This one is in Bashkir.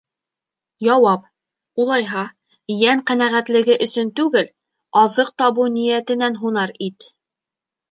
Яуап: Улайһа, йән ҡәнәғәтлеге өсөн түгел, аҙыҡ табыу ниәтенән һунар ит.